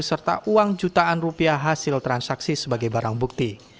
serta uang jutaan rupiah hasil transaksi sebagai barang bukti